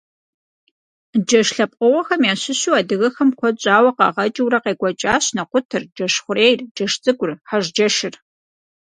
Джэш лъэпкъыгъуэхэм ящыщу адыгэхэм куэд щӀауэ къагъэкӀыурэ къекӀуэкӀащ нэкъутыр, джэшхъурейр, джэшцӀыкӀур, хьэжджэшыр.